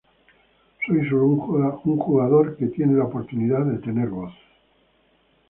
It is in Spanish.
Soy solo un jugador que tiene la oportunidad de tener voz.